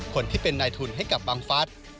คนที่เป็นนายทุนให้กับบังฟัส